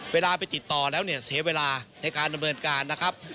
เวลาไปติดต่อแล้วเนี่ยเสียเวลาในการดำเนินการนะครับ